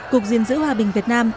cục diên dữ hòa bình việt nam